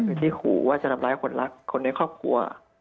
โดยที่ขู่ว่าจะทำร้ายคนรักคนในครอบครัว